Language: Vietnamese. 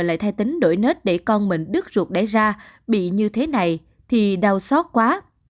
lại thay tính đổi nết để con mình đứt ruột đẻ ra bị như thế này thì đau xót quá